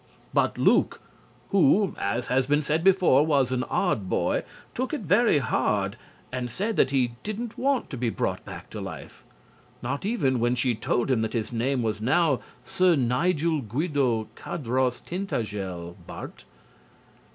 But Luke, who, as has been said before, was an odd boy, took it very hard and said that he didn't want to be brought back to life. Not even when she told him that his name was now Sir Nigel Guido Cadross Tintagel, Bart.